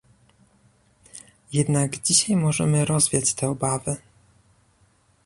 Jednak dzisiaj możemy rozwiać te obawy